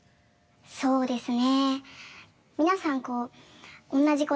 そうですね。